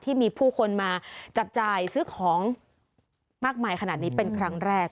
มีคนมาจับจ่ายซื้อของมากมายขนาดนี้เป็นครั้งแรก